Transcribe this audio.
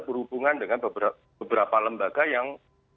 berhubungan dengan beberapa lembaga yang